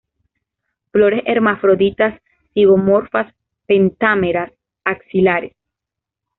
Flores hermafroditas, zigomorfas, pentámeras, axilares.